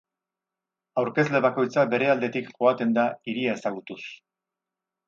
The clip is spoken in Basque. Aurkezle bakoitza bere aldetik joaten da hiria ezagutuz.